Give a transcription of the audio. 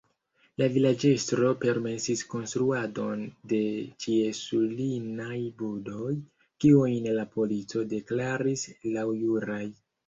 La vilaĝestro permesis konstruadon de ĉiesulinaj budoj, kiujn la polico deklaris laŭjuraj.